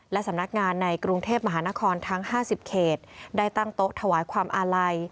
และสำนักงานในกรุงเทพมหานครทั้ง๕๐เขตได้ตั้งโต๊ะถวายความอาลัย